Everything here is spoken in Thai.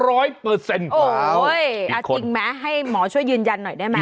โอ้ยเอาจริงมั้ยให้หมอช่วยยืนยันหน่อยได้มั้ย